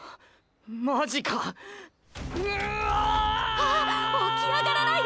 ああっ起き上がらないで！